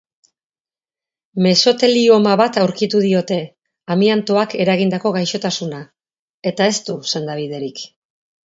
Mesotelioma bat aurkitu diote, amiantoak eragindako gaixotasuna, eta ez du sendabiderik.